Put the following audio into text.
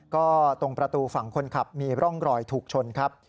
ก็ตรงประตูฝั่งคนขับมีร่องรอยถูกชนครับ